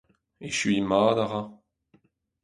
Echuiñ mat a ra.